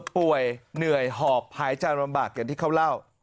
ป่วยเหนื่อยหอบหายใจลำบากอย่างที่เขาเล่า